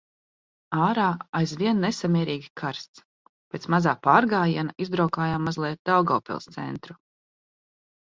Ārā aizvien nesamērīgi karsts. Pēc mazā pārgājiena izbraukājām mazliet Daugavpils centru.